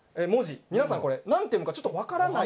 皆さんこれなんて読むかちょっとわからない。